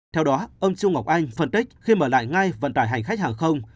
theo đó ông chu ngọc anh phân tích khi mở lại ngay vận tải hành khách hàng không